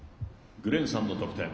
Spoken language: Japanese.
グレンさんの得点。